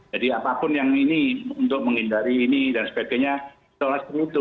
jadi apapun yang ini untuk menghindari ini dan sebagainya seolah olah itu